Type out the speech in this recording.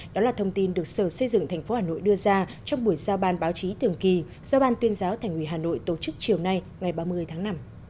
đó là thông tin được sở xây dựng thành phố hà nội đưa ra trong buổi giao ban báo chí thường kỳ do ban tuyên giáo thành ủy hà nội tổ chức chiều nay ngày ba mươi tháng năm